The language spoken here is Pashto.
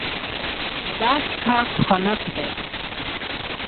دا څښاک خنک دی.